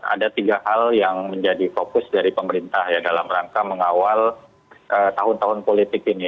ada tiga hal yang menjadi fokus dari pemerintah ya dalam rangka mengawal tahun tahun politik ini